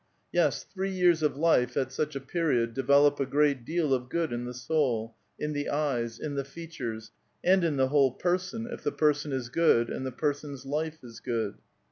Yes, three years of life at such a period develop a great deal of good in the soul, in the eyes, in the features, and in the whole person, if the person is good and the person's life is good.